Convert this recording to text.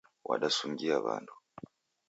Wadasungia w'andu.